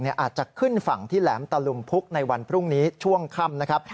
อาจจะขึ้นฝั่งที่แหลมตะลุมพุกในวันพรุ่งนี้ช่วงค่ำนะครับ